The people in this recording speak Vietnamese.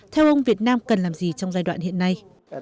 theo ông việt nam cần làm gì trong giai đoạn hiện nay